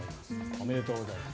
おめでとうございます。